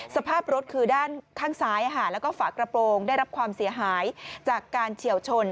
สภาพรถคือด้านข้างซ้ายแล้วก็ฝากระโปรงได้รับความเสียหายจากการเฉียวชน